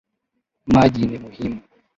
Maji ni muhimu